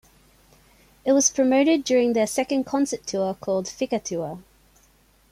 It was promoted during their second concert tour called Ficca Tour.